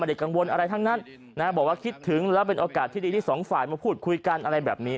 ได้กังวลอะไรทั้งนั้นบอกว่าคิดถึงแล้วเป็นโอกาสที่ดีที่สองฝ่ายมาพูดคุยกันอะไรแบบนี้